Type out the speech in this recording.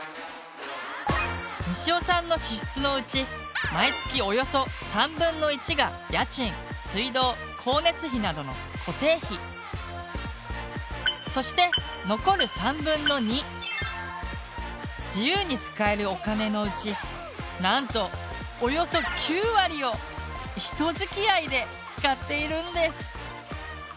しおさんの支出のうち毎月およそ３分の１がそして残る３分の２「自由に使えるお金」のうちなんとおよそ９割を「人づきあい」で使っているんです。